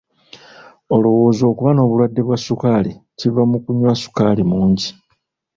Olowooza okuba n'obulwadde bwa ssukaali kiva mu kunywa ssukaali mungi.